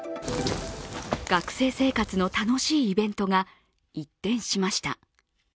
学生生活の楽しいイベントが一転しました。